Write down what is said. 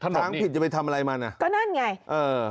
ทางผิดจะไปทำอะไรมันอ่ะก็นั่นไงเออ